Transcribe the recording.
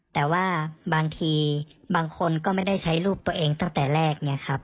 แต่ว่าบางทีบางคนก็ไม่ได้ใช้รูปตัวเองตั้งแต่แรกเนี่ยครับ